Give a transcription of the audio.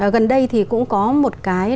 gần đây thì cũng có một cái